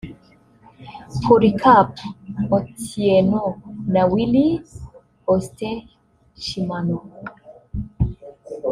Polycarp Otieno na Willis Austin Chimano